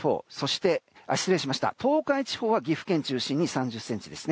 東海地方は岐阜県を中心に３０ｃｍですね。